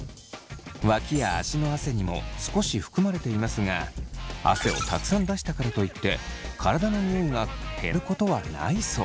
脇や足の汗にも少し含まれていますが汗をたくさん出したからといって体のニオイが減ることはないそう。